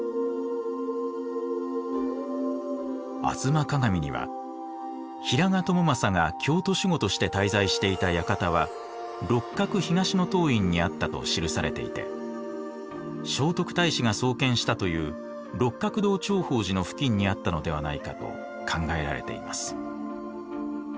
「吾妻鏡」には平賀朝雅が京都守護として滞在していた館は六角東洞院にあったと記されていて聖徳太子が創建したという六角堂頂法寺の付近にあったのではないかと考えられています。